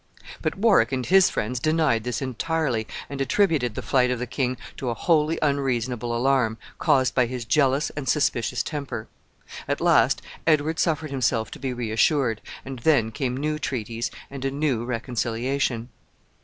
But Warwick and his friends denied this entirely, and attributed the flight of the king to a wholly unreasonable alarm, caused by his jealous and suspicious temper. At last Edward suffered himself to be reassured, and then came new treaties and a new reconciliation.